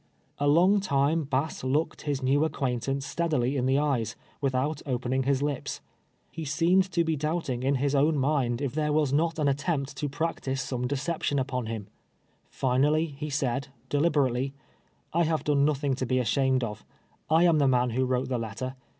A long time Bass looked his new acquaintance steadily in the eyes, without opening his lips. He Beemed to be doubting in his own mind if there was M* 29S TWELVE yt:ar3 a slave. not tin Jitteinpt to practice some deception upon liim. Finally he said, deliberately —" I have done nothing to he ashamed of. I am the man wIkj wrote the letter.